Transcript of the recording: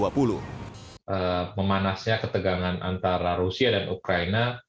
pemanasnya ketegangan antara rusia dan ukraina